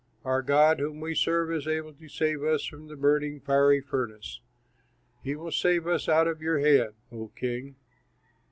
Our God whom we serve is able to save us from the burning, fiery furnace; he will save us out of your hand, O king.